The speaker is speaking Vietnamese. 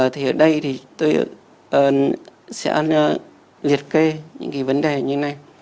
thì ở đây thì tôi sẽ liệt kê những cái vấn đề như này